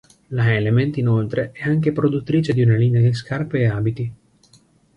La Element, inoltre, è anche produttrice di una linea di scarpe e abiti.